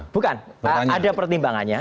bukan ada pertimbangannya